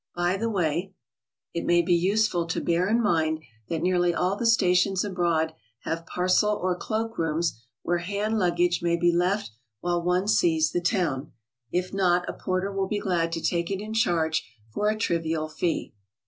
By the way, it may 64 GOING ABROAD? be useful to bear in mind that nearly all the stations abroad have parcel or cloak rooms where hand luggage may be left while one sees the town; if not, a porter will be glad to take it in charge for a trivial fee.